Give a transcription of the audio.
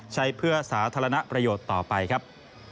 ใช้เพื่อสาธารณประโยชน์ต่อไปครับ